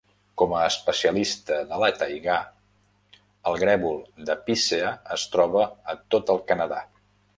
Com a especialista de la taigà, el grèvol de pícea es troba a tot el Canadà.